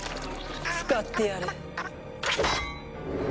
使ってやる。